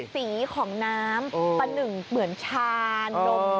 สีของน้ำประหนึ่งเหมือนชานม